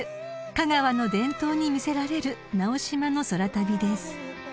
［香川の伝統に魅せられる直島の空旅です］